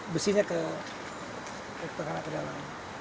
besinya ke tengah ke dalam